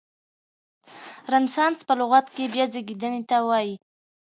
رنسانس په لغت کې بیا زیږیدنې ته وایي.